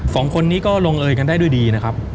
สองคนนี้ก็ลงเอยกันได้ด้วยดีนะครับ